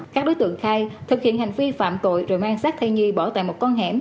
các đối tượng khai thực hiện hành vi phạm tội rồi mang sát thai nhi bỏ tại một con hẻm